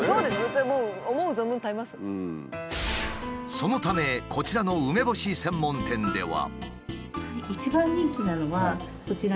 そのためこちらの梅干し専門店では。